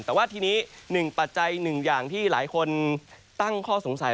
แต่ว่าทีนี้๑ปัจจัย๑อย่างที่หลายคนตั้งข้อสงสัย